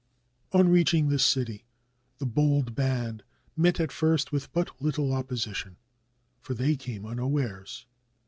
On reaching the city the bold band met at first with but little opposition, for they came unawares.